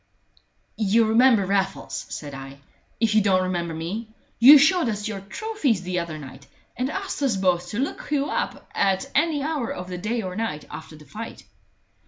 "You'll remember Raffles," said I, "if you don't remember me. You showed us your trophies the other night, and asked us both to look you up at any hour of the day or night after the fight."